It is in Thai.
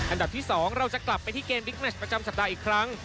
อันดับที่๒เราจะกลับไปที่เกมบิ๊กแมชประจำสัปดาห์อีกครั้ง